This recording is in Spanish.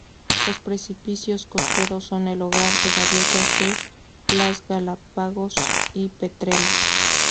Los precipicios costeros son el hogar de gaviotas de las Galápagos y petreles.